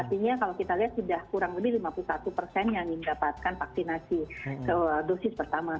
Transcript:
artinya kalau kita lihat sudah kurang lebih lima puluh satu persen yang mendapatkan vaksinasi dosis pertama